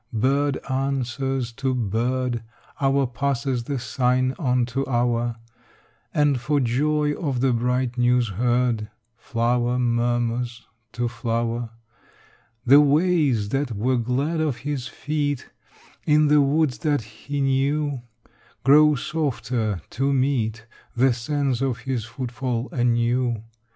Bird answers to bird, Hour passes the sign on to hour, And for joy of the bright news heard Flower murmurs to flower. The ways that were glad of his feet In the woods that he knew Grow softer to meet The sense of his footfall anew.